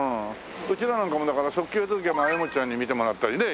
うちらなんかもだから即興の時はえもっちゃんに見てもらったりね